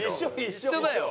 一緒だよ。